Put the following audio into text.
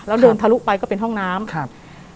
แล้วเดินทะลุไปก็เป็นห้องน้ำครับ